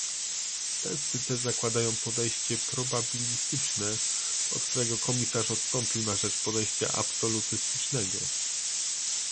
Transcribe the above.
Testy te zakładają podejście probabilistyczne, od którego komisarz odstąpił na rzecz podejścia absolutystycznego